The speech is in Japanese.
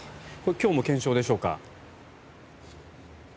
今日も検証でしょうか？